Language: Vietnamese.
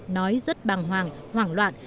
nói rất bằng hoàng hoảng loạn